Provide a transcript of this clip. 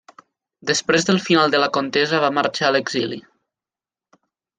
Després del final de la contesa va marxar a l'exili.